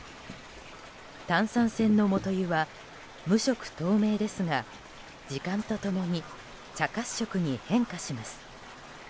炭酸泉の元湯は無色透明ですが時間と共に茶褐色に変化します。